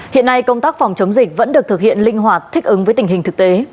hiện nay công tác phòng chống dịch vẫn được thực hiện linh hoạt thích ứng với tình hình thực tế